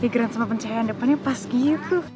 pikiran sama pencahayaan depannya pas gitu